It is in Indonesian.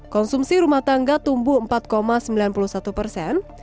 konsumsi rumah tangga tumbuh empat sembilan puluh satu persen